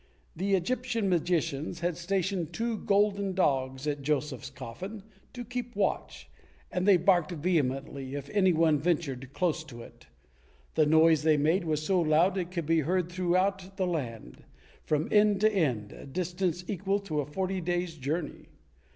The Egyptian magicians had stationed two golden dogs at Joseph's coffin, to keep watch,. and they barked vehemently if anyone ventured close to it. The noise they made was so loud it could be heard throughout the land, from end to end, a distance equal to a forty day's journey.